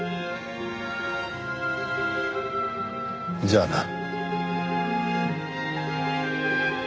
じゃあな。